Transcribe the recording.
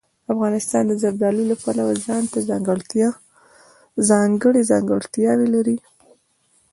افغانستان د زردالو له پلوه ځانته ځانګړې ځانګړتیاوې لري.